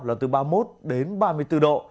là từ ba mươi một đến ba mươi bốn độ